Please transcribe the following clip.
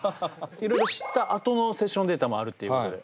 いろいろ知ったあとのセッションデータもあるっていうことで。